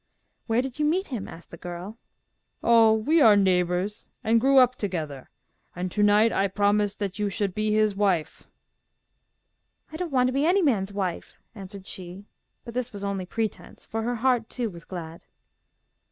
'Where did you meet him?' asked the girl. 'Oh, we are neighbours, and grew up together, and to night I promised that you should be his wife.' 'I don't want to be any man's wife,' answered she; but this was only pretence, for her heart too was glad.